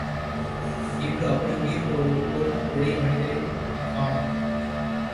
இன்று அப்படி உயர் குறிக்கோள் உடைய மனிதரையும் காணோம்!